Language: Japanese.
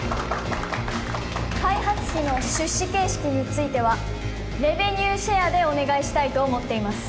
開発費の出資形式についてはレベニューシェアでお願いしたいと思っています